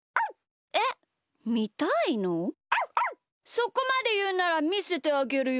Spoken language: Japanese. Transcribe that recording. そこまでいうならみせてあげるよ。